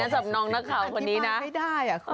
สำนองนักข่าวคนนี้นะ